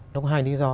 nó có hai lý do